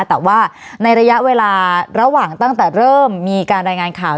แต่ว่าในระยะเวลาระหว่างตั้งแต่เริ่มมีการรายงานข่าว